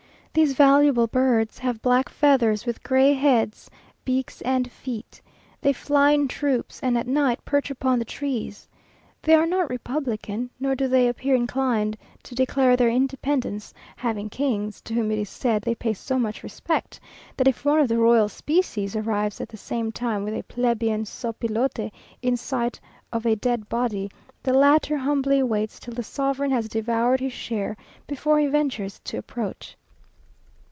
These valuable birds have black feathers, with gray heads, beaks, and feet. They fly in troops, and at night perch upon the trees. They are not republican, nor do they appear inclined to declare their independence, having kings, to whom it is said they pay so much respect, that if one of the royal species arrives at the same time with a plebeian sopilote, in sight of a dead body, the latter humbly waits till the sovereign has devoured his share, before he ventures to approach.